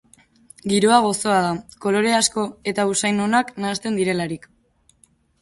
Giroa gozoa da, kolore asko eta usain onak nahasten direlarik.